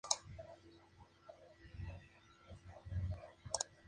Los modernos olvidando la verdadera y castiza manera optaron por "enaguas".